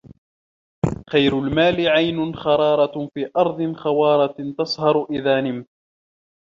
خَيْرُ الْمَالِ عَيْنٌ خَرَّارَةٌ فِي أَرْضٍ خَوَّارَةٍ تَسْهَرُ إذَا نِمْتَ